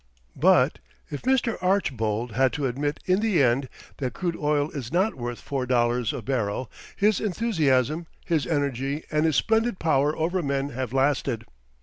But if Mr. Archbold had to admit in the end that crude oil is not worth "$4,00 a bbl.," his enthusiasm, his energy, and his splendid power over men have lasted.